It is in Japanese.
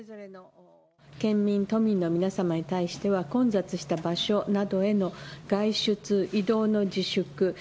県民、都民の皆様に対しては、混雑した場所などへの外出、移動の自粛。